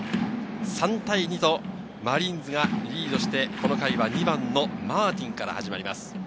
３対２とマリーンズがリードして、この回は２番のマーティンから始まります。